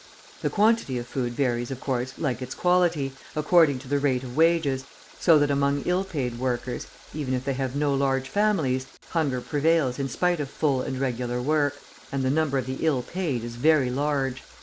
The quantity of food varies, of course, like its quality, according to the rate of wages, so that among ill paid workers, even if they have no large families, hunger prevails in spite of full and regular work; and the number of the ill paid is very large.